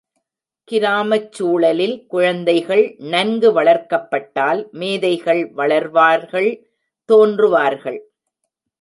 கிராமச் சூழலில் குழந்தைகள் நன்கு வளர்க்கப்பட்டால் மேதைகள் வளர்வார்கள் தோன்றுவார்கள்.